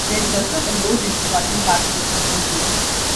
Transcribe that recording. There is also a low ridge crossing part of the eastern floor.